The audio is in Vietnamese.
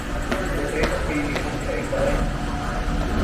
Bữa tê có kỵ, không thấy anh tới